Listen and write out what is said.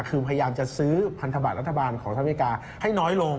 คือพยายามจะซื้อพันธบัตรรัฐบาลของสหรัฐอเมริกาให้น้อยลง